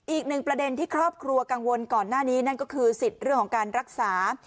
อีกหนึ่งประเด็นที่ครอบครัวกังวลก่อนหน้านี้นั่นก็คือสิทธิ์เรื่องของการรักษา